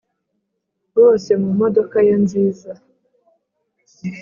bose mumodoka ye nziza